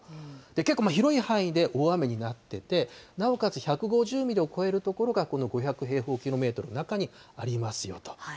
結構、広い範囲で大雨になってて、なおかつ１５０ミリを超える所がこの５００平方キロメートルの中にありますよと。